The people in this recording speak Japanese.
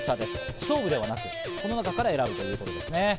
勝負ではなく、この中から選ぶということですね。